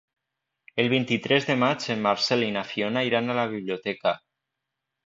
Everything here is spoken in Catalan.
El vint-i-tres de maig en Marcel i na Fiona iran a la biblioteca.